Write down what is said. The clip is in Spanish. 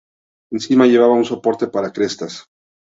Encima llevaba un soporte para crestas.